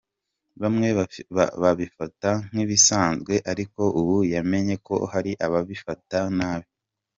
Bamwe babifata nk’ibisanzwe ariko ubu yamenye ko hari ababifata nabi.